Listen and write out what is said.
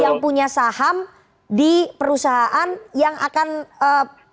yang punya saham di perusahaan yang akan ee